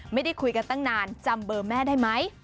ไม่ได้คุยกันตั้งนานจำเบอร์แม่ได้ไหม